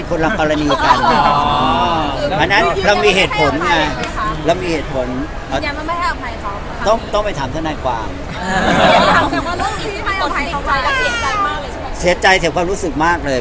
คือบุคคลที่สามเราอย่าไปพูดถึงเขาเลย